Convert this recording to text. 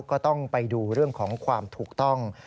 ก็ต้องไปดูเรื่องของความถูกต้อง